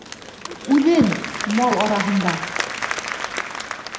Үҙең - мал араһында.